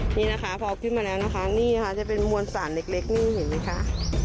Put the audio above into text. นี่นะคะพอขึ้นมาแล้วนะคะนี่ค่ะจะเป็นมวลสารเล็กนี่เห็นไหมคะ